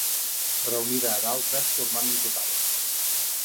Reunida a d'altres formant un total.